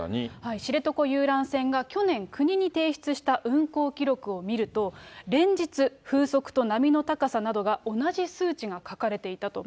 知床遊覧船が去年、国に提出した運航記録を見ると、連日、風速と波の高さなどが、同じ数値が書かれていたと。